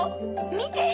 見て！